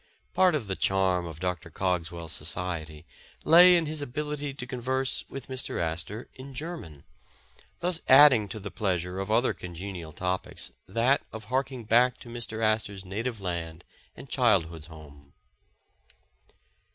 Part of the charm of Dr. Cogswell's society lay in his ability to converse with Mr. Astor in German, thus adding to the pleasure of other congenial topics, that of harking back to Mr. Astor 's native land and childhood's home.